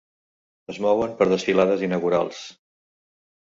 Es mouen per desfilades inaugurals.